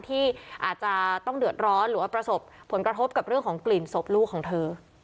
ที่อาจจะต้องเดือดร้อนหรือว่าประสบผลกระทบกับเรื่องของกลิ่นศพลูกของเธอ